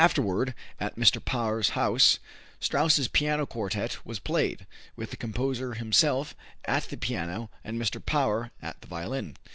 Afterward, at Mr. Paur's house, Strauss's piano quartet was played, with the composer himself at the piano and Mr. Paur at the violin.